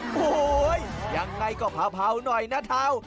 โอ้โหยังไงก็เผาหน่อยนะเท้า